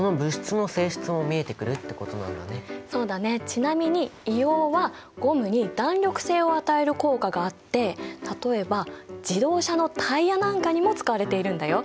ちなみに硫黄はゴムに弾力性を与える効果があって例えば自動車のタイヤなんかにも使われているんだよ。